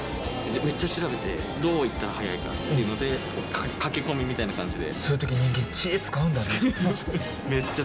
めっちゃ調べてどう行ったら早いか駆け込みみたいな感じで。